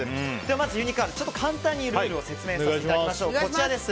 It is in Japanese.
まずユニカール簡単にルールを説明させていただきます。